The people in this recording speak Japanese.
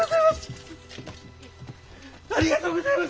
ありがとうごぜます！